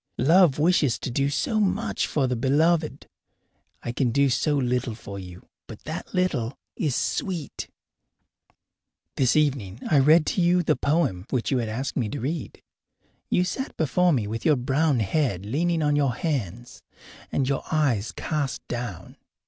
Love wishes to do so much for the beloved! I can do so little for you, but that little is sweet. This evening I read to you the poem which you had asked me to read. You sat before me with your brown head leaning on your hands and your eyes cast down.